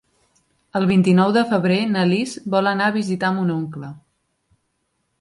El vint-i-nou de febrer na Lis vol anar a visitar mon oncle.